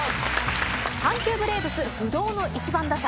阪急ブレーブス不動の１番打者